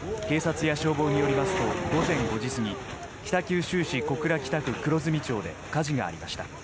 警察や消防によりますと午前５時過ぎ北九州市小倉北区黒住町で火事がありました。